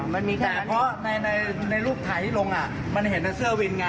ว่าเนี่ยทั้งลิบมันตายตรงมันเห็นกับเสื้อวิ้นไง